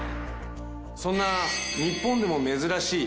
そんな日本でも珍しい